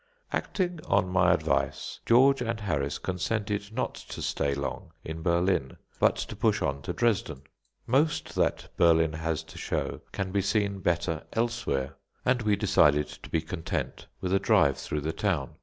Acting on my advice, George and Harris consented not to stay long in Berlin; but to push on to Dresden. Most that Berlin has to show can be seen better elsewhere, and we decided to be content with a drive through the town.